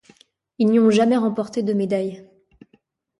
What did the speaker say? Il n'y ont jamais remporté de médaille.